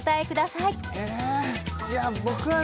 いや僕はね